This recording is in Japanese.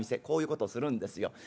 こういうことするんですよ。